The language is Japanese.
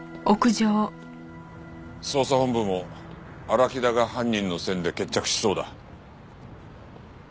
捜査本部も荒木田が犯人の線で決着しそうだ。